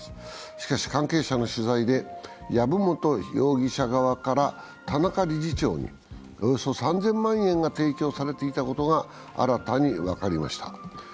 しかし関係者の取材で籔本容疑者側から田中理事長におよそ３０００万円が提供されていたことが新たに分かりました。